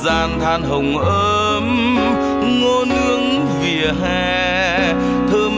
anh nhớ em nhớ em thật nhiều